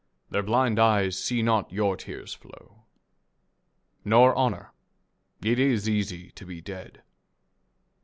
Their blind eyes see not your tears flow. Nor honour. It is easy to be dead.